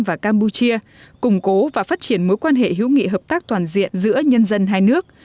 và campuchia củng cố và phát triển mối quan hệ hữu nghị hợp tác toàn diện giữa nhân dân hai nước